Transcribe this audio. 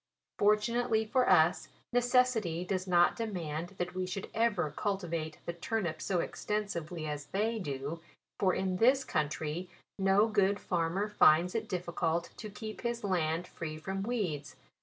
Fortunately for us, necessity does not de mand that we should ever cultivate the tur 156 JULY. nip so extensively as they do ; for in this country, no good farmer finds it difficult to keep his land free from weeds.